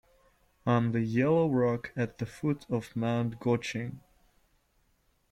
I'm the yellow rock at the foot of Mount Gucheng.